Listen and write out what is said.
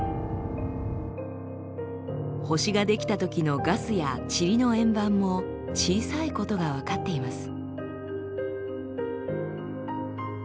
星が出来たときのガスや塵の円盤も小さいことが分かっています。